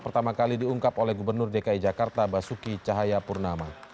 pertama kali diungkap oleh gubernur dki jakarta basuki cahayapurnama